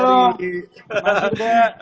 halo mas rupiah